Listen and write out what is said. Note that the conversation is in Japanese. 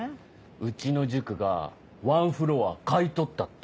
うちの塾がワンフロア買い取ったって。